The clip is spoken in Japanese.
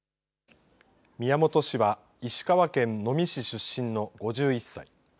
宮本氏は石川県能美市出身の５１歳。